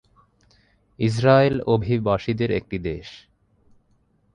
Israel অভিবাসীদের একটি দেশ।